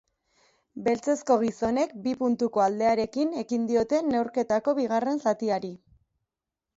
Beltzezko gizonek bi puntuko aldearekin ekin diote neurketako bigarren zatiari.